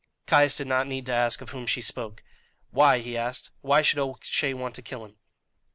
Caius did not need to ask of whom she spoke. "Why?" he asked. "Why should O'Shea want to kill him?"